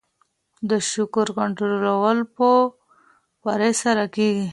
د شکر کنټرول په پرهیز سره کیږي.